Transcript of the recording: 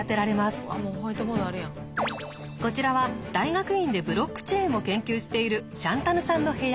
こちらは大学院でブロックチェーンを研究しているシャンタヌさんの部屋。